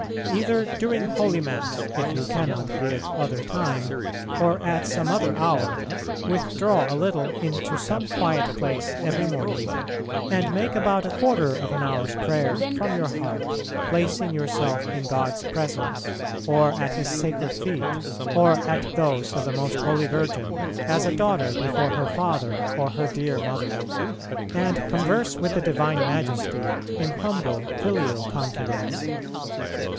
Either during holy Mass, if you cannot give other time, or at some other hour, withdraw a little into some quiet place every morning, and make about a quarter of an hour's prayer from your heart, placing yourself in God's presence, or at His sacred feet, or at those of the most holy Virgin, as a daughter before her father or her dear mother, and converse with the divine Majesty in humble, filial confidence.